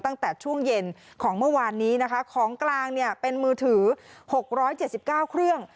ตั้งแต่ช่วงเย็นของเมื่อวานนี้นะคะของกลางเนี่ยเป็นมือถือหกร้อยเจ็ดสิบเก้าเครื่อง